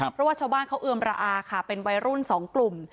เพราะว่าชาวบ้านเขาเอือมระอาค่ะเป็นวัยรุ่นสองกลุ่ม